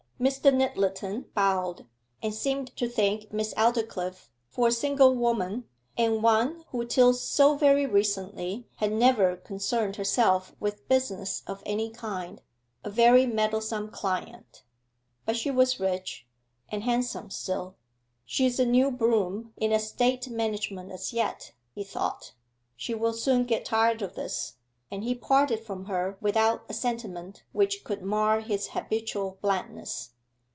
Mr. Nyttleton bowed, and seemed to think Miss Aldclyffe, for a single woman, and one who till so very recently had never concerned herself with business of any kind, a very meddlesome client. But she was rich, and handsome still. 'She's a new broom in estate management as yet,' he thought. 'She will soon get tired of this,' and he parted from her without a sentiment which could mar his habitual blandness.